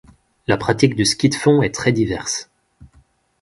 La pratique du ski de fond est très diverse.